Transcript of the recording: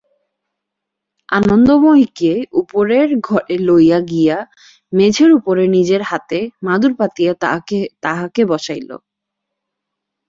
আনন্দময়ীকে উপরের ঘরে লইয়া গিয়া মেঝের উপরে নিজের হাতে মাদুর পাতিয়া তাঁহাকে বসাইল।